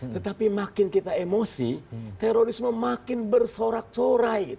tetapi makin kita emosi terorisme makin bersorak sorai